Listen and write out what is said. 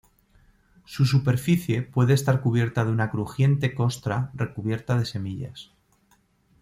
Su superficie puede estar cubierta de una crujiente costra recubierta de semillas.